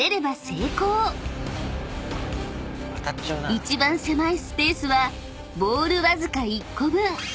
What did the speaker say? ［一番狭いスペースはボールわずか１個分］